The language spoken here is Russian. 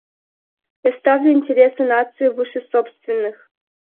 Я ставлю интересы нации выше собственных.